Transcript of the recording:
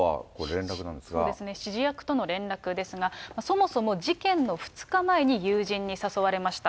そうですね、指示役との連絡ですが、そもそも事件の２日前に友人に誘われました。